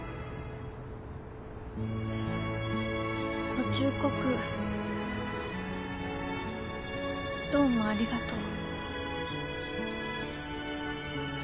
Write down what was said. ご忠告どうもありがとう。